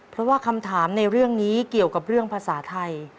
เพราะว่าคำถามในเรื่องนี้เกี่ยวกับเรื่องภาษาไทย